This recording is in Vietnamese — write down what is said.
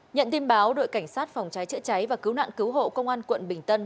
nhận tin báo đội cảnh sát phòng cháy chữa cháy và cứu nạn cứu hộ công an quận bình tân